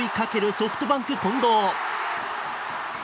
ソフトバンク、近藤。